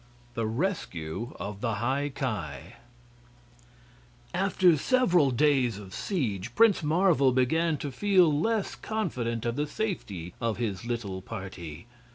18. The Rescue of the High Ki After several days of siege Prince Marvel began to feel less confident of the safety of his little party.